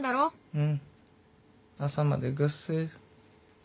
うん朝までぐっすりだ。